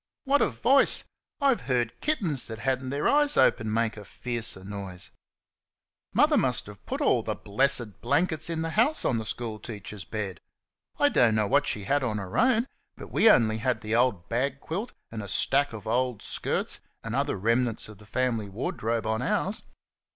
What a voice! I've heard kittens that had n't their eyes open make a fiercer noise. Mother must have put all the blessed blankets in the house on the school teacher's bed. I don't know what she had on her own, but we only had the old bag quilt and a stack of old skirts, and other remnants of the family wardrobe, on ours.